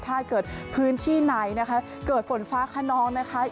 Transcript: ถ้าเกิดพื้นที่ไหนนะคะเกิดฝนฟ้าขนองนะคะ